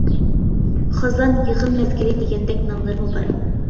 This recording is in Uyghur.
خازان، يىغىم مەزگىلى دېگەندەك ناملىرىمۇ بار.